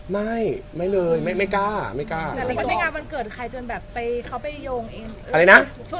ไปงานวันเกิดเพื่อน